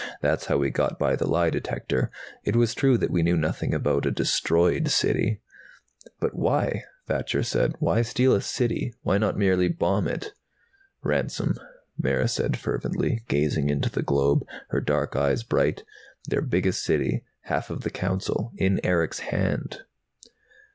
That's how we got by the lie detector. It was true that we knew nothing about a destroyed City." "But why?" Thacher said. "Why steal a City? Why not merely bomb it?" "Ransom," Mara said fervently, gazing into the globe, her dark eyes bright. "Their biggest City, half of their Council in Erick's hand!"